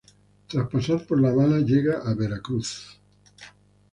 Tras pasar por La Habana, llegan a Veracruz.